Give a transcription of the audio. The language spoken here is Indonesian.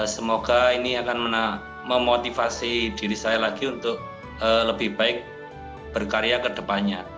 semoga ini akan memotivasi diri saya lagi untuk lebih baik berkarya ke depannya